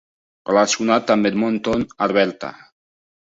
Relacionat amb Edmonton, Alberta.